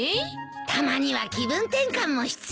たまには気分転換も必要だよ。